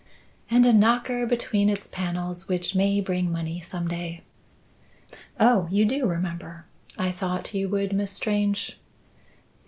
"And a knocker between its panels which may bring money some day." "Oh, you do remember! I thought you would, Miss Strange."